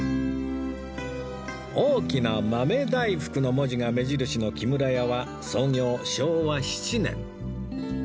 大きな「豆大福」の文字が目印の木村屋は創業昭和７年